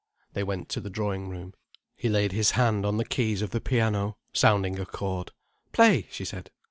They went to the drawing room. He laid his hand on the keys of the piano, sounding a chord. "Play," she said.